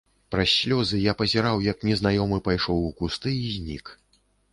Праз слёзы я пазіраў, як незнаёмы пайшоў у кусты і знік.